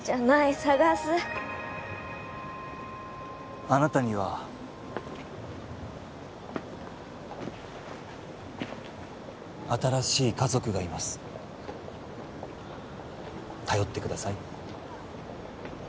捜すあなたには新しい家族がいます頼ってください